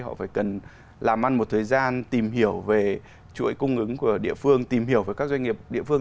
họ phải cần làm ăn một thời gian tìm hiểu về chuỗi cung ứng của địa phương tìm hiểu về các doanh nghiệp địa phương